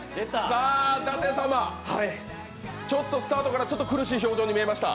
舘様、スタートから苦しい表情に見えました。